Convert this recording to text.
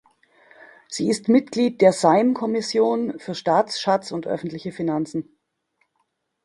Sie ist Mitglied der Sejm-Kommission für Staatsschatz und öffentliche Finanzen.